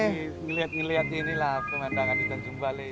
lagi ngeliat ngeliat ini lah pemandangan di tanjung balai